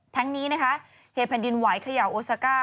ทั้งนี้นะคะเหตุแผ่นดินไหวเขย่าโอซาก้า